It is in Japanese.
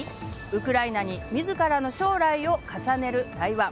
ウクライナに自らの将来を重ねる台湾。